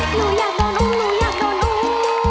หนูอยากโดนอุ้มหนูอยากโดนอุ้ม